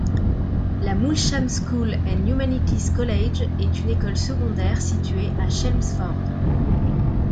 La Moulsham School and Humanities College est une école secondaire située à Chelmsford.